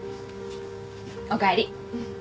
おかえり。